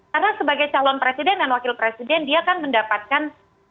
karena sebagai calon presiden dan wakil presiden dia akan mendapatkan